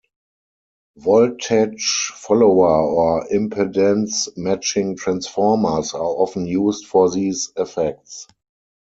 Voltage follower or impedance-matching transformers are often used for these effects.